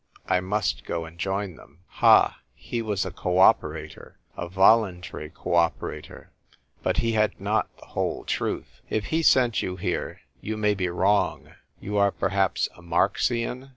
I must go and join them.'" " Ha ! He was a co operator, A voluntary co operator. But he had not the whole truth. If he sent you here, you may be wrong — you are perhaps a Marxian